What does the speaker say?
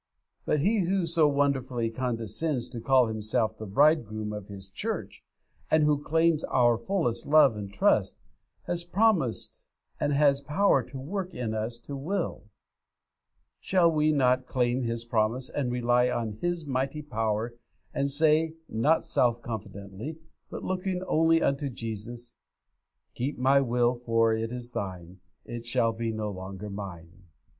But He who so wonderfully condescends to call Himself the Bridegroom of His church, and who claims our fullest love and trust, has promised and has power to work in us to will. Shall we not claim His promise and rely on His mighty power, and say, not self confidently, but looking only unto Jesus 'Keep my will, for it is Thine; It shall be no longer mine!'